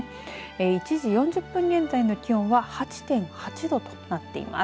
１時４０分現在の気温は８．８度となっています。